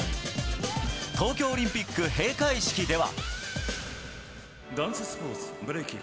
東京オリンピック閉会式では。